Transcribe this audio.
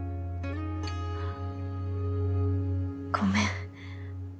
ごめん。